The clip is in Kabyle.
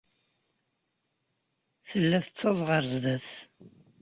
Tella tettaẓ ɣer sdat.